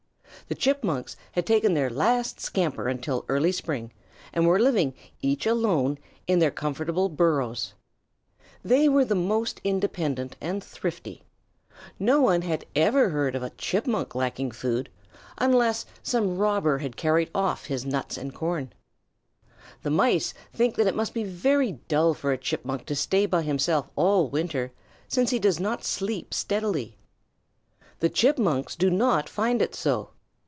The Chipmunks had taken their last scamper until early spring, and were living, each alone, in their comfortable burrows. They were most independent and thrifty. No one ever heard of a Chipmunk lacking food unless some robber had carried off his nuts and corn. The Mice think that it must be very dull for a Chipmunk to stay by himself all winter, since he does not sleep steadily. The Chipmunks do not find it so.